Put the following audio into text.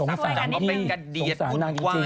สงสารพี่สงสารนางจริง